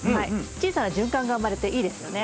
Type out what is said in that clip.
小さな循環が生まれていいですよね。